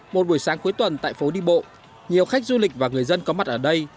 một buổi sáng cuối tuần tại phố đi bộ nhiều khách du lịch và người dân có mặt ở đây